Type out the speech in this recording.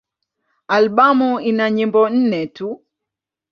Albamu ina nyimbo nne tu.